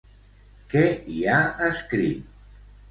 Què hi ha escrit?